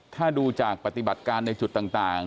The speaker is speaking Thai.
ถ้าดูจากปฏิบัติการในจุดต่าง